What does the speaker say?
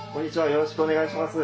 よろしくお願いします。